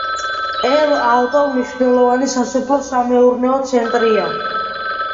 ელ-ალტო მნიშვნელოვანი სასოფლო-სამეურნეო ცენტრია.